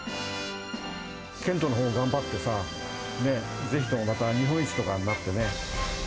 剣道のほう頑張ってさ、ぜひともまた日本一とかになってね。